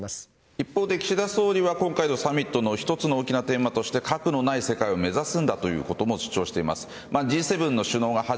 一方で岸田総理は今回のサミットの一つの大きなテーマとして核のない世界を目指すと主張しています。